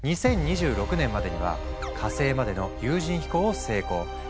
２０２６年までには火星までの有人飛行を成功